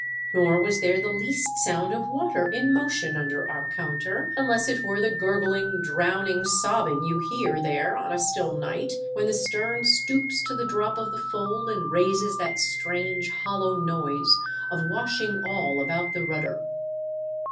Nor was there the least sound of water in motion under our counter, unless it were the gur gling, drowning sobbing you hear there on a still night, when the stern stoops to the drop of the fold, and raises that strange, hollow noise of washing all about the rudder.